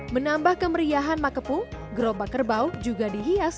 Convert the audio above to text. menambah kemeriahan makepung gerobak kerbau juga dihias